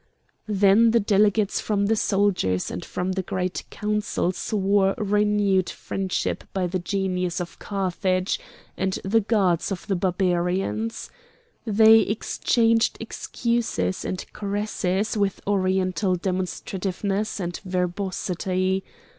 Then the delegates from the soldiers and from the Great Council swore renewed friendship by the Genius of Carthage and the gods of the Barbarians. They exchanged excuses and caresses with oriental demonstrativeness and verbosity.